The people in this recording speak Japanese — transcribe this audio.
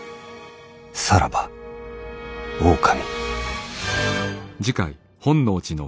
さらば狼。